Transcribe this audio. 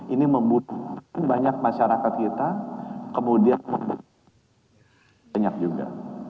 ini membunuh banyak masyarakat kita kemudian membunuh banyak juga